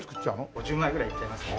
５０枚ぐらいいっちゃいますね。